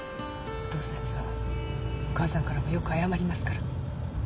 お父さんにはお母さんからもよく謝りますから。